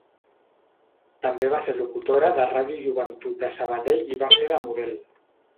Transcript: També va ser locutora de Ràdio Joventut de Sabadell i va fer de model.